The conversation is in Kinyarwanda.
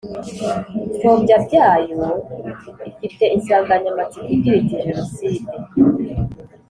ipfobya byayo ifite insanganyamatsiko igira iti Genocide